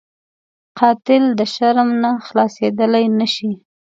قاتل د شرم نه خلاصېدلی نه شي